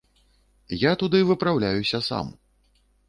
Я туды выпраўляюся сам!